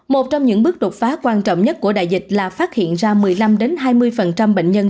một trong những bước đột phá quan trọng nhất của đại dịch là phát hiện ra một mươi năm hai mươi bệnh nhân